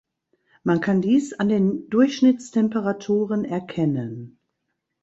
Man kann dies an den Durchschnittstemperaturen erkennen.